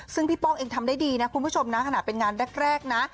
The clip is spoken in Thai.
ซึ่งพี่ป้องเองทำได้ดีนะคุณผู้ชมนะขณะเป็นงานแรกนะ